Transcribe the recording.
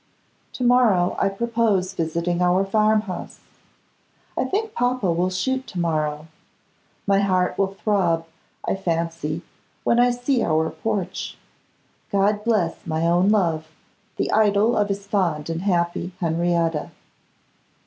To morrow I purpose visiting our farm house. I think papa will shoot to morrow. My heart will throb, I fancy, when I see our porch. God bless my own love; the idol of his fond and happy Henrietta.